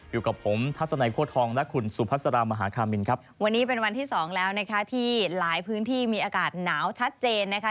อยู่กับผมทัศนัยโค้ทองและคุณสุพัสรามหาคามินครับวันนี้เป็นวันที่สองแล้วนะคะที่หลายพื้นที่มีอากาศหนาวชัดเจนนะคะ